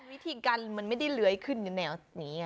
อาทิกัลมันไม่ได้เลี้ยวขึ้นแนวนี้